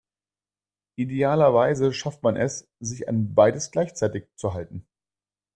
Idealerweise schafft man es, sich an beides gleichzeitig zu halten.